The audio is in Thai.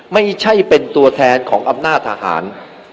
ไม่ใช่เป็นตัวแทนของอำนาจทหาร